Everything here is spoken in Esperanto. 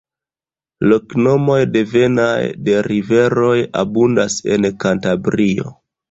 Loknomoj devenaj de riveroj abundas en Kantabrio.